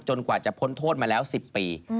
กว่าจะพ้นโทษมาแล้ว๑๐ปี